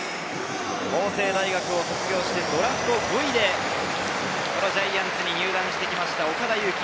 法政大学を卒業して、ドラフト５位でジャイアンツに入団してきました岡田悠希。